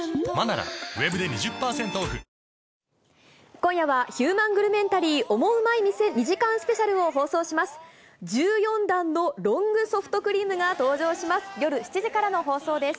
今夜はヒューマングルメンタリー、オモウマい店２時間スペシャルを放送します。